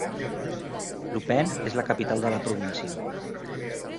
Lupane és la capital de la província.